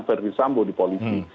verdi sambu di polisi